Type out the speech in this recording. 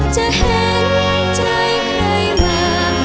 จะเห็นใจใครมา